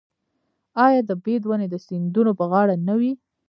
آیا د بید ونې د سیندونو په غاړه نه وي؟